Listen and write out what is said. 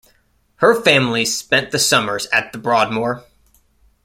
Her family spent the summers at The Broadmoor.